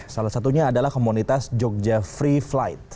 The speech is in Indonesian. salah satunya adalah komunitas jogja free flight